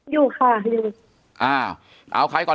อยู่ค่ะ